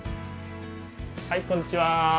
はいこんにちは。